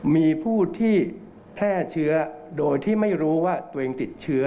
มีผู้ที่แพร่เชื้อโดยที่ไม่รู้ว่าตัวเองติดเชื้อ